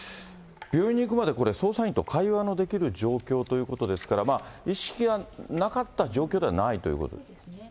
病院に行くまで捜査員と会話もできる状況ということですから、意識がなかった状況ではないということですね。